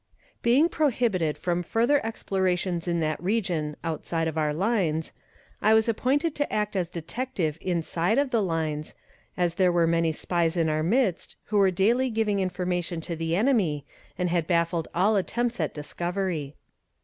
Being prohibited from further explorations in that region outside of our lines, I was appointed to act as detective inside of the lines, as there were many spies in our midst who were daily giving information to the enemy, and had baffled all attempts at discovery.